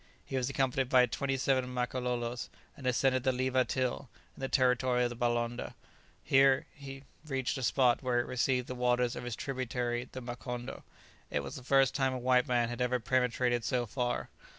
He was accompanied by twenty seven Makalolos, and ascended the Leeba till, in the territory of the Balonda, he reached a spot where it received the waters of its tributary the Makondo. It was the first time a white man had ever penetrated so far.